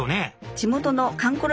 地元のかんころ